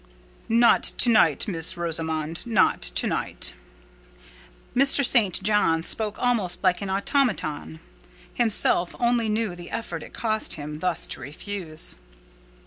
"Not to night, Miss Rosamond, not to night." Mr. St. John spoke almost like an automaton: himself only knew the effort it cost him thus to refuse.